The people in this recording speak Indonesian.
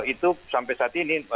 itu sampai saat ini